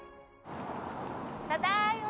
ただいま！